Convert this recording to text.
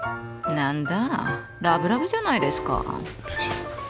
何だラブラブじゃないですか。